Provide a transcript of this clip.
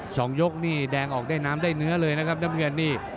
สองยกนี่แดงออกได้น้ำได้เนื้อเลยนะครับน้ำเงินนี่